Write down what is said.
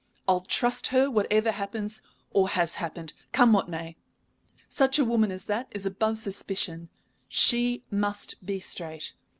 I'll trust her whatever happens or has happened, come what may. Such a woman as that is above suspicion. She must be straight.